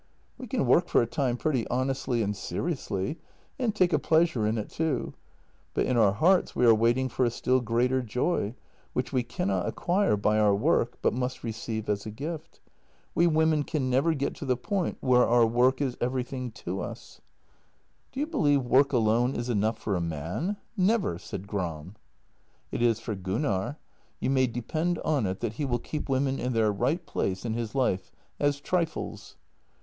"We can work for a time pretty honestly and seriously, and take a pleasure in it too, but in our hearts we are waiting for a still greater joy, which we cannot acquire by our work, but must receive as a gift. We women can never get to the point where our work is everything to us." i86 JENNY " Do you believe work alone is enough for a man? Never," said Gram. " It is for Gunnar. You may depend on it that he will keep women in their right place in his life — as trifles."